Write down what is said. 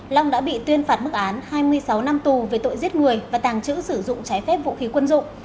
long đã bị tuyên phạt mức án hai mươi sáu năm tù về tội giết người và tàng trữ sử dụng trái phép vũ khí quân dụng